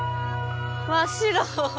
真っ白。